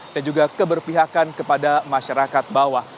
dan juga keberpihakan kepada masyarakat bawah